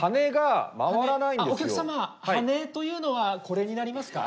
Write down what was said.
お客様羽根というのはこれになりますか？